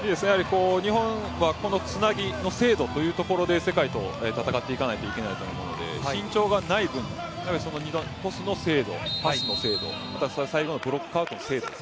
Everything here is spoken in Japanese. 日本はこのつなぎの精度というところで世界と戦っていかないといけないと思うので身長がない分、トスの精度、パスの精度サイドのブロックアウトの精度